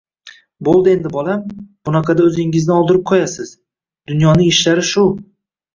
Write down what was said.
—Bo'ldi endi, bolam! Bunaqada o'zingizni oldirib qo'yasiz. Dunyoning ishlari shu